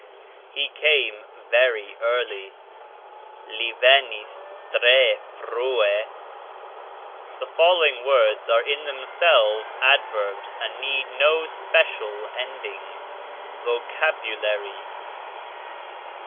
He came "very" early, Li venis "tre" frue. The following words are in themselves adverbs, and need no special ending: VOCABULARY.